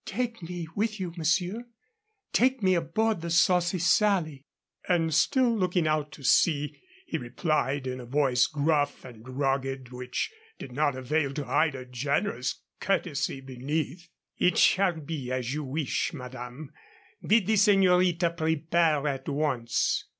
"Take me with you, monsieur. Take me aboard the Saucy Sally." And still looking out to sea, he replied, in a voice gruff and rugged, which did not avail to hide a generous courtesy beneath: "It shall be as you wish, madame. Bid the señorita prepare at once."